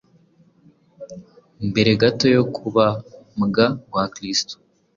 Mbere gato yo kubambwa kwa Kristo,